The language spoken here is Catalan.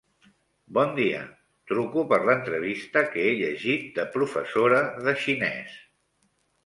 Bon dia, truco per l'entrevista que he llegit de professora de xinès.